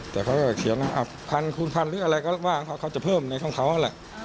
แต่เขาก็เขียนว่าพันคูณพันหรืออะไรก็ว่าเขาจะเพิ่มในของเขาแหละ